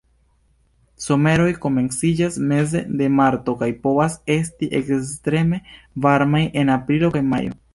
Someroj komenciĝas meze de marto kaj povas esti ekstreme varmaj en aprilo kaj majo.